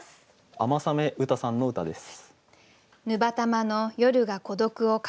雨雨雨汰さんの歌です。